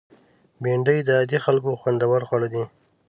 بېنډۍ د عادي خلکو خوندور خواړه دي